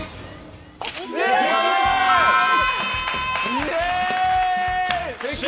イエーイ！